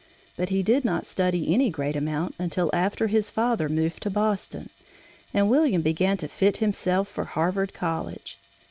But he did not study any great amount until after his father moved to Boston, and William began to fit himself for Harvard College.